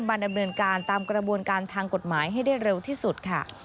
บรรดาเมืองการตามกระบวนการทางกฎหมายให้ได้เร็วที่สุด